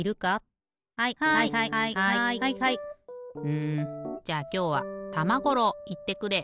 うんじゃあきょうは玉五郎いってくれ！